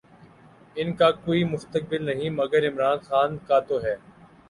ان کا کوئی مستقبل نہیں، مگر عمران خان کا تو ہے۔